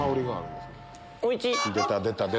おいちぃ！